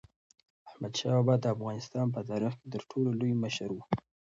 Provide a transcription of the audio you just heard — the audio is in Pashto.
احمدشاه بابا د افغانستان په تاریخ کې تر ټولو لوی مشر و.